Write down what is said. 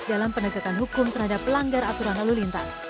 dalam penegakan hukum terhadap pelanggar aturan lalu lintas